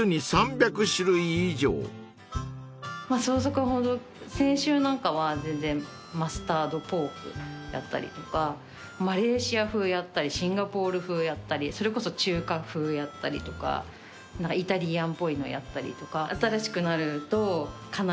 創作先週なんかはマスタードポークやったりとかマレーシア風やったりシンガポール風やったりそれこそ中華風やったりとかイタリアンっぽいのやったりとか。